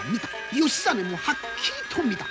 義実もはっきりと見た。